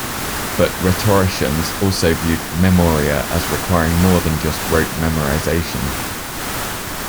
But rhetoricians also viewed "memoria" as requiring more than just rote memorization.